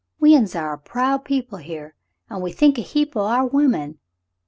We uns are a proud people here, an' we think a heap o' our women.